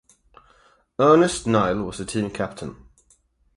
Ernest Neill was the team captain.